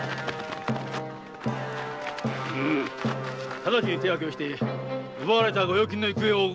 ただちに手分けをして奪われた御用金の行方を追う。